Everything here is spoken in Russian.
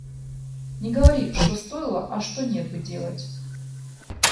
Не говори, что стоило, а что нет бы делать.